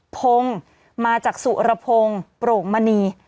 พงศ์มาจากสุรพงศ์โปร่งมณี